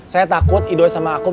saya takut idoi sama aku tak bisa